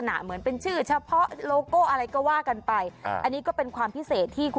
ดูว่ามันพญานาค